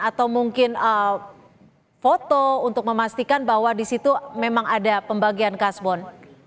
atau mungkin foto untuk memastikan bahwa di situ memang ada pembagian kasbon